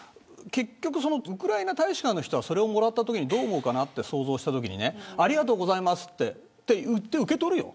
ウクライナ大使館の人はそれをもらったときにどう思うかなって想像したときにありがとうございますと言って受け取るよ。